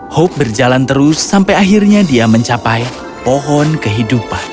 hope berjalan terus sampai akhirnya dia mencapai pohon kehidupan